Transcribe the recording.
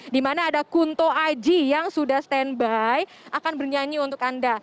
dimana ada kunto aji yang sudah stand by akan bernyanyi untuk anda